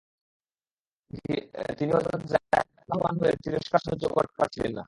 তিনি হযরত যায়েদ রাযিয়াল্লাহু আনহু-এর তিরস্কার সহ্য করতে পারছিলেন না।